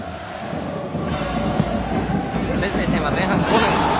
先制点は前半５分。